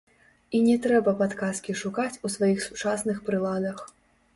І не трэба падказкі шукаць у сваіх сучасных прыладах!